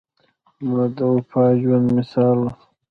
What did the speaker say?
مړه د وفا ژوندي مثال وه